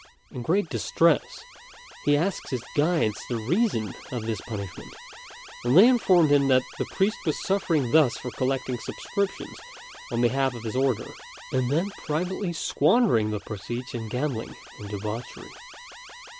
In great distress, he asked his guides the reason of this punishment; and they informed him that the priest was suffering thus for collecting subscriptions on behalf of his order, and then privately squandering the proceeds in gambling and debauchery.